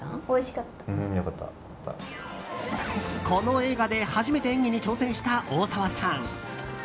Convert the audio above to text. この映画で初めて演技に挑戦した大沢さん。